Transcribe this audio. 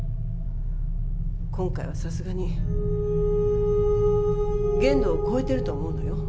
今回はさすがに限度を超えてると思うのよ。